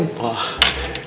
ibu pilih rejekiun